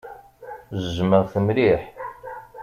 Jjmeɣ-t mliḥ.